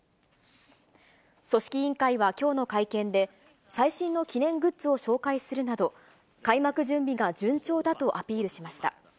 組織委員会はきょうの会見で、最新の記念グッズを紹介するなど、開幕準備が順調だとアピールしました。